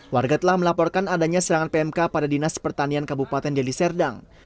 warga telah melaporkan adanya serangan pmk pada dinas pertanian kabupaten deliserdang